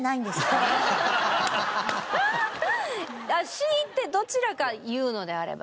強いてどちらか言うのであれば。